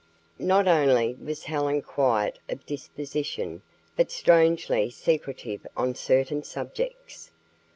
Not only was Helen quiet of disposition, but strangely secretive on certain subjects.